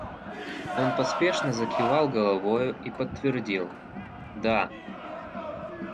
Он поспешно закивал головою и подтвердил: — Да.